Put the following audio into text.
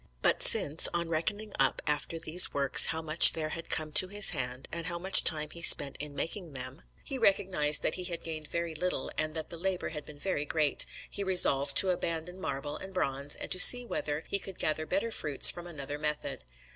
But since, on reckoning up after these works how much there had come to his hand and how much time he spent in making them, he recognized that he had gained very little and that the labour had been very great, he resolved to abandon marble and bronze and to see whether he could gather better fruits from another method.